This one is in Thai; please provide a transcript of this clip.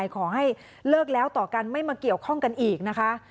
ขอให้เลิกแล้วต่อกันไม่มาเกี่ยวข้องกันอีกนะคะ